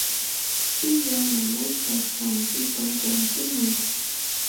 Piqa nanaypaq hampita rantimuy.